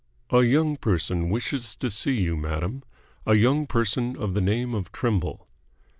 "A young person wishes to see you, madam. A young person of the name of Trimble."